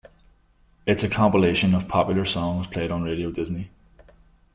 It's a compilation of popular songs played on Radio Disney.